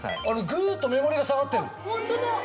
グっと目盛りが下がってる。